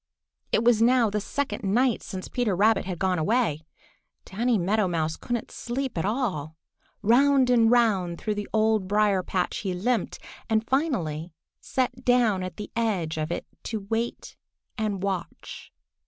It was now the second night since Peter Rabbit had gone away. Danny Meadow Mouse couldn't sleep at all. Round and round through the Old Briar patch he limped, and finally sat down at the edge of it to wait and watch.